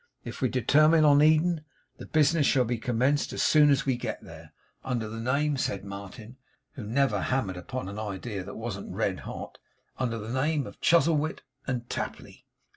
If we determine on Eden, the business shall be commenced as soon as we get there. Under the name,' said Martin, who never hammered upon an idea that wasn't red hot, 'under the name of Chuzzlewit and Tapley.